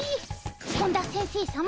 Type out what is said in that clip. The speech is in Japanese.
本田先生さま